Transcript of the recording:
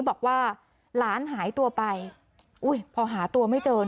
บอกว่าหลานหายตัวไปอุ้ยพอหาตัวไม่เจอ